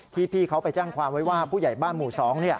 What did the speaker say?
พี่เขาไปแจ้งความไว้ว่าผู้ใหญ่บ้านหมู่๒